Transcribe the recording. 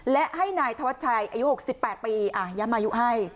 และให้นายทวชชายอายุหกสิบแปดปีอ่ะอย่ามายุให้